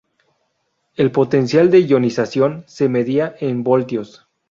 El potencial de ionización se medía en voltios.